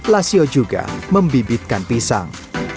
lasio juga membibitkan pisang